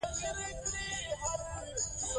زه د قلم په ارزښت یوه مقاله لیکم.